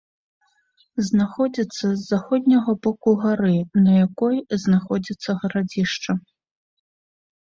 Знаходзіцца з заходняга боку гары, на якой знаходзіцца гарадзішча.